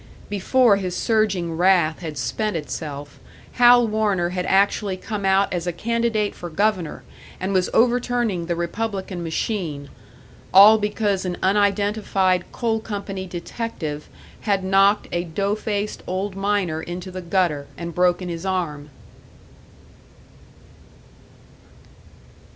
Before his surging wrath had spent itself, Hal Warner had actually come out as a candidate for governor, and was overturning the Republican machine all because an unidentified coal company detective had knocked a dough faced old miner into the gutter and broken his arm!